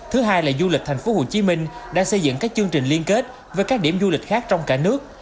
thứ hai là du lịch tp hcm đã xây dựng các chương trình liên kết với các điểm du lịch khác trong cả nước